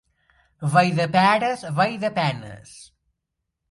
Valldeperes, vall de penes.